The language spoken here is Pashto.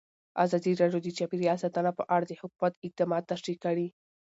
ازادي راډیو د چاپیریال ساتنه په اړه د حکومت اقدامات تشریح کړي.